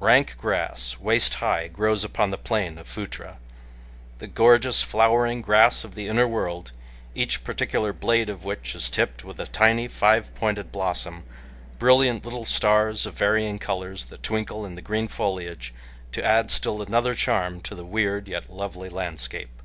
Rank grass, waist high, grows upon the plain of Phutra the gorgeous flowering grass of the inner world, each particular blade of which is tipped with a tiny, five pointed blossom brilliant little stars of varying colors that twinkle in the green foliage to add still another charm to the weird, yet lovely, landscape.